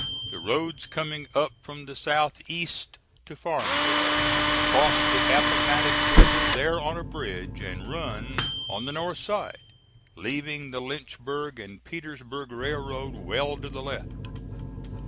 The roads coming up from the south east to Farmville cross the Appomattox River there on a bridge and run on the north side, leaving the Lynchburg and Petersburg Railroad well to the left.